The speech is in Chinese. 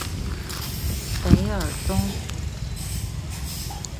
韦尔东。